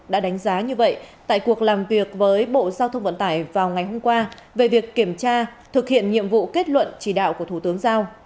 đã đánh giá như vậy tại cuộc làm việc với bộ giao thông vận tải vào ngày hôm qua về việc kiểm tra thực hiện nhiệm vụ kết luận chỉ đạo của thủ tướng giao